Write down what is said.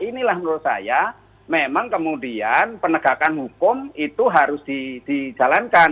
inilah menurut saya memang kemudian penegakan hukum itu harus dijalankan